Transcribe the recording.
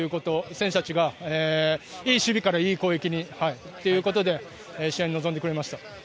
選手たちがいい守備からいい攻撃にっていうことで試合に臨んでくれました。